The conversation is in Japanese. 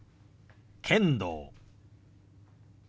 「剣道」。